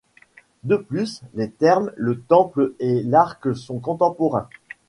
De plus, les thermes, le temple et l'arc sont contemporains.